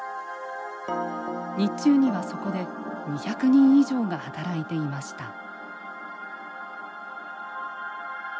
日中にはそこで２００人以上が働いていました。